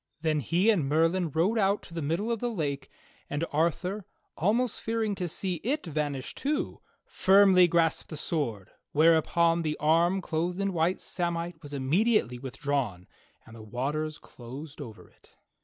Then he and Merlin rowed out to the middle of the lake, and Arthur, almost fearing to see it vanish too, firmly grasped the sword, whereupon the arm clothed in white samite was immediately withdrawn, and the waters closed over it.